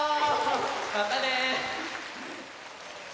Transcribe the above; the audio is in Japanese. またね！